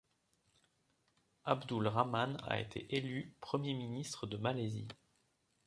Abdul Rahman a été élu premier ministre de Malaisie.